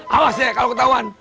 awas ya kalau ketahuan